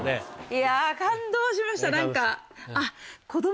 いや感動しました何か。